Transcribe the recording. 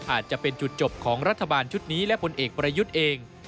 อาจจะเป็นจุดจบของรัฐบาลชุดนี้และผลเอกประยุทธ์เอง